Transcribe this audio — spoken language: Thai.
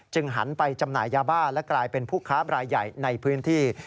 หันไปจำหน่ายยาบ้าและกลายเป็นผู้ค้าบรายใหญ่ในพื้นที่